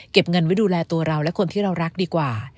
เงินไว้ดูแลตัวเราและคนที่เรารักดีกว่า